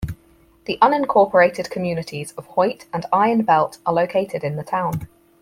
The unincorporated communities of Hoyt and Iron Belt are located in the town.